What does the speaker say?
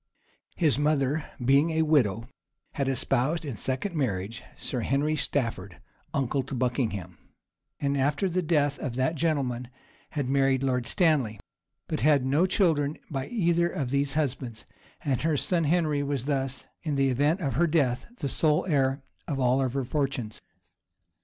His mother, being a widow, had espoused in second marriage Sir Henry Stafford, uncle to Buckingham, and after the death of that gentleman, had married Lord Stanley; but had no children by either of these husbands; and her son Henry was thus, in the event of her death, the sole heir of all her fortunes.